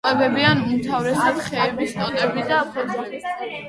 იკვებებიან უმთავრესად ხეების ტოტებითა და ფოთლებით.